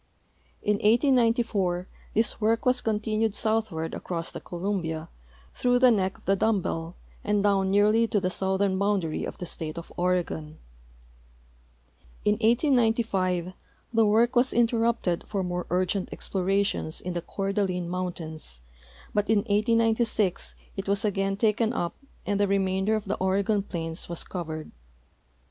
In 1894 this work ^tas con tinued southward across the Columbia through the neck of the dumb bell and down nearly to the southern boundary of the state of Oregon. In 1895 the work was interrupted for more urgent exi)lorations in the Coeur d'Alene mountains, but in 1896 it was again taken up and the remainder of the Oregon plains was covered.